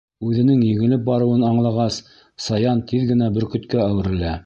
Үҙенең еңелеп барыуын аңлағас, саян тиҙ генә бөркөткә әүерелә.